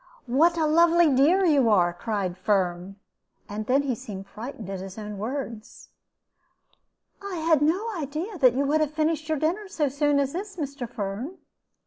"What a lovely dear you are!" cried Firm, and then he seemed frightened at his own words. "I had no idea that you would have finished your dinner so soon as this, Mr. Firm."